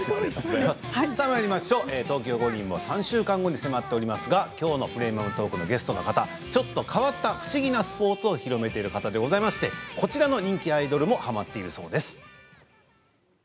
東京五輪も３週間後に迫っておりますが、きょうの「プレミアムトーク」のゲストの方、ちょっと変わった不思議なスポーツを広めている方でございましてこちらの人気アイドルもはまっているそうです。